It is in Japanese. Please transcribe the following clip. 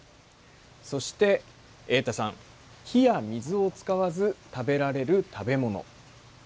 そして永太さん火や水を使わず食べられる食べ物。